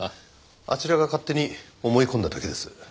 あちらが勝手に思い込んだだけです。